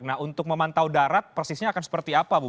nah untuk memantau darat persisnya akan seperti apa bu